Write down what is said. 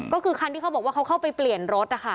ก็คือคันที่เขาบอกว่าเขาเข้าไปเปลี่ยนรถนะคะ